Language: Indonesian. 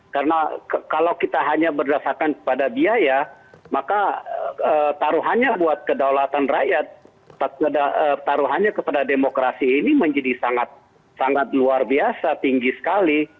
karena kalau kita hanya berdasarkan kepada biaya maka taruhannya buat kedaulatan rakyat taruhannya kepada demokrasi ini menjadi sangat luar biasa tinggi sekali